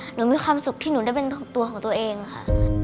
หนูมีความสุขที่หนูได้เป็นตัวของตัวเองค่ะ